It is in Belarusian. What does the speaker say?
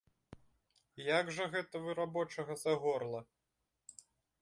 Як жа гэта вы рабочага за горла?